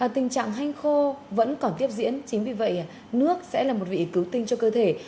tình trạng hanh khô vẫn còn tiếp diễn chính vì vậy nước sẽ là một vị cứu tinh cho cơ thể